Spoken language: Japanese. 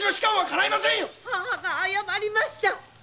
私が誤りました。